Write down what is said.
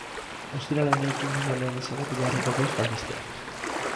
Ostiral honi ekin baino lehen ezagutu beharreko bost albisteak.